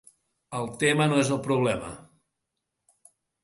El tema no és el problema.